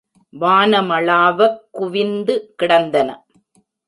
வானமளாவக் குவிந்து கிடந்தன.